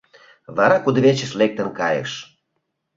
Вара кудывечыш лектын кайыш.